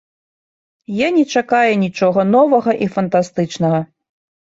Я не чакаю нічога новага і фантастычнага.